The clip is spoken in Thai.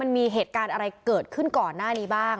มีเหตุการณ์อะไรเกิดขึ้นก่อนหน้านี้บ้าง